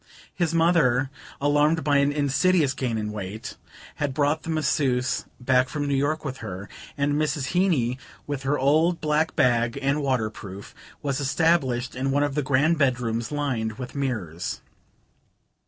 His mother, alarmed by an insidious gain in weight, had brought the masseuse back from New York with her, and Mrs. Heeny, with her old black bag and waterproof, was established in one of the grand bedrooms lined with mirrors.